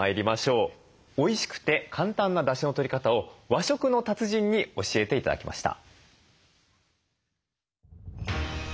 おいしくて簡単なだしのとり方を和食の達人に教えて頂きました。